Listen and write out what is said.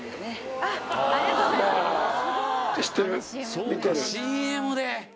そうかＣＭで！